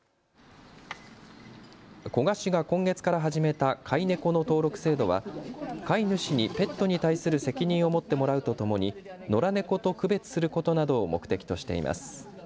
古河市が今月から始めた飼いネコの登録制度は飼い主にペットに対する責任を持ってもらうとともに野良ネコと区別することなどを目的としています。